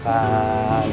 terima kasih ya